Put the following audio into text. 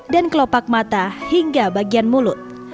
dan kelopak mata hingga bagian mulut